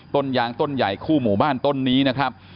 ต้นยางต้นใหญ่คู่หมู่บ้านต้นนี้นะครับ